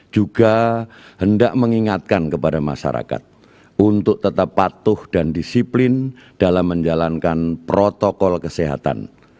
juga hendak mengingatkan kepada masyarakat untuk tetap patuh dan disiplin dalam menjalankan protokol kesehatan